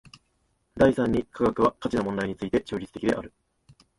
第三に科学は価値の問題について中立的である。